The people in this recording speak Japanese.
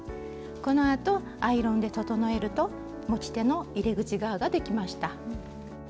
このあとアイロンで整えると持ち手の入れ口側ができました。